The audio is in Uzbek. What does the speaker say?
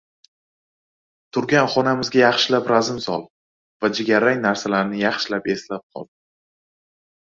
– Turgan xonamizga yaxshilab razm sol va jigarrang narsalarni yaxshilab eslab qol.